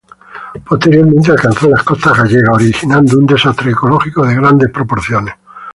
Posteriormente, alcanzaron las costas gallegas, originando un desastre ecológico de grandes proporciones.